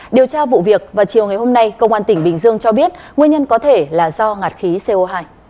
điều tra vụ việc vào chiều ngày hôm nay công an tỉnh bình dương cho biết nguyên nhân có thể là do ngạt khí co hai